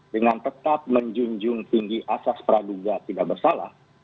dengan tetap menjunjung tinggi asas praduga tidak bersalah